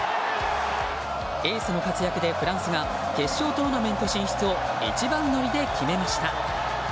エースの活躍で、フランスが決勝トーナメント進出を一番乗りで決めました。